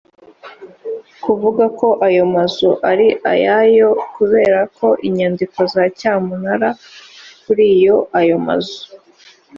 kuvuga ko ayo mazu ari ayayo kubera ko inyandiko za cyamunara kuri ayo mazu